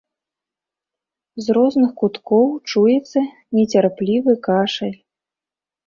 З розных куткоў чуецца нецярплівы кашаль.